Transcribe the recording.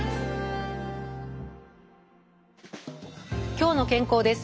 「きょうの健康」です。